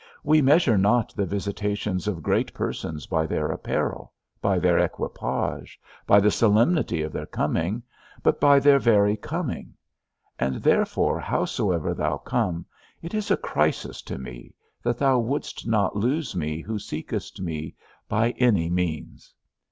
We measure not the visitations of great persons by their apparel, by their equipage, by the solemnity of their coming, but by their very coming; and therefore, howsoever thou come, it is a crisis to me, that thou wouldst not lose me who seekest me by any means.